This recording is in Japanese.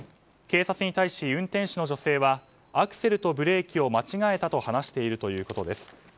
警察に対し、運転手の女性はアクセルとブレーキを間違えたと話しているということです。